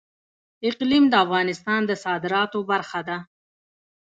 اقلیم د افغانستان د صادراتو برخه ده.